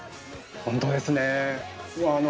本当ですね。